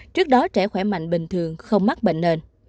trước đó trẻ khỏe mạnh bình thường không mắc bệnh nền